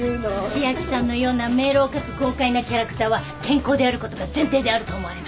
千明さんのような明朗かつ豪快なキャラクターは健康であることが前提であると思われます。